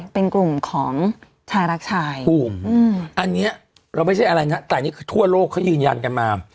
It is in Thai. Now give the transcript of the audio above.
เป็นกลุ่มของชายรักชายภูมิอันนี้เราไม่ใช่อะไรนะแต่นี่คือทั่วโลกเขายืนยันกันมา